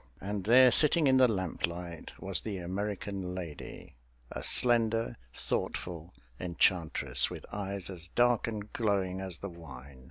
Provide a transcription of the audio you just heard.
And there, sitting in the lamplight, was the American lady a slender, thoughtful enchantress with eyes as dark and glowing as the wine.